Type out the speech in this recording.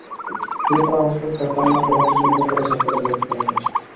গুরুতর আহত অবস্থায় তার মাকে রংপুর মেডিকেল কলেজ হাসপাতালে ভর্তি করা হয়েছে।